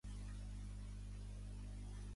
A la tardor, Barton i Steel van deixar All Japan.